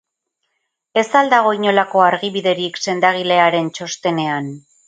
Ez al dago inolako argibiderik sendagilearen txostenean?